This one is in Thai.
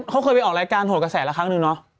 เขาเคยไปออกรายการโหดกระแสละครั้งนึงเนาะ